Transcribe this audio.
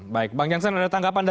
baik bang jansan ada tanda